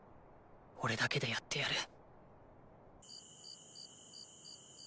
おれだけでやってやる。